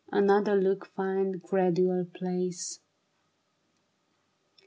Another look find gradual place.